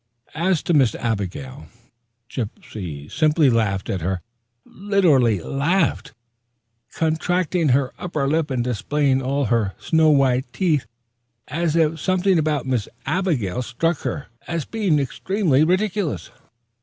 As to Miss Abigail, Gypsy simply laughed at her literally laughed, contracting her upper lip and displaying all her snow white teeth, as if something about Miss Abigail struck her, Gypsy, as being extremely ridiculous.